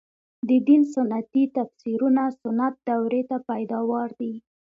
د دین سنتي تفسیرونه سنت دورې پیداوار دي.